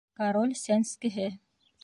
КОРОЛЬ СӘНСКЕҺЕ